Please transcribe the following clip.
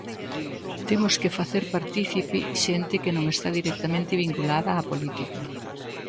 Temos que facer partícipe xente que non está directamente vinculada á política.